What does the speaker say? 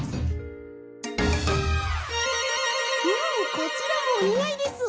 こちらもおにあいです！